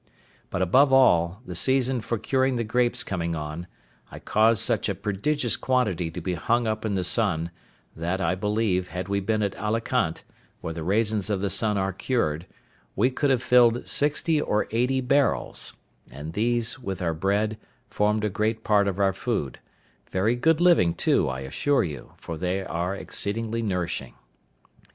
But above all, the season for curing the grapes coming on, I caused such a prodigious quantity to be hung up in the sun, that, I believe, had we been at Alicant, where the raisins of the sun are cured, we could have filled sixty or eighty barrels; and these, with our bread, formed a great part of our food—very good living too, I assure you, for they are exceedingly nourishing.